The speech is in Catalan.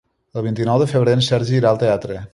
El vint-i-nou de febrer en Sergi irà al teatre.